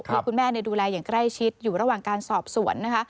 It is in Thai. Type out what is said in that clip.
ให้คุณแม่ดูแลอย่างใกล้ชิดอยู่ระหว่างการสอบสวนนะคะ